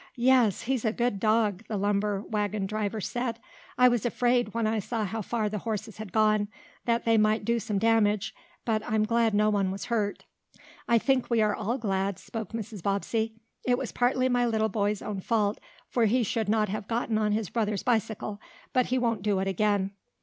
"Yes, he's a good dog," the lumber wagon driver said. "I was afraid, when I saw how far the horses had gone, that they might do some damage. But I'm glad no one was hurt." "I think we all are glad," spoke Mrs. Bobbsey. "It was partly my little boy's own fault, for he should not have gotten on his brother's bicycle. But he won't do it again."